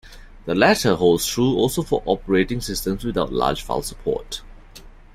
The latter holds true also for operating systems without large file support.